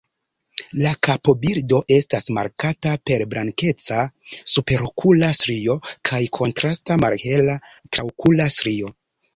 La kapobildo estas markata per blankeca superokula strio kaj kontrasta malhela traokula strio.